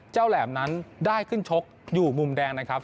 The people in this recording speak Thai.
แหลมนั้นได้ขึ้นชกอยู่มุมแดงนะครับ